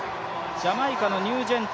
ジャマイカのニュージェント